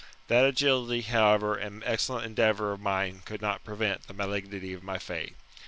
That agility, however, and excellent endeavour of mine, could not prevent the malignity of my fate.